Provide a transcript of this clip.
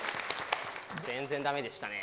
全然駄目でしたね。